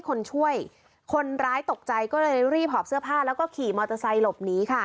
ก็เลยรีบหอบเสื้อผ้าแล้วก็ขี่มอเตอร์ไซต์หลบหนีค่ะ